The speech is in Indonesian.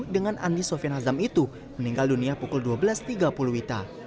dengan andi sofian hazam itu meninggal dunia pukul dua belas tiga puluh wita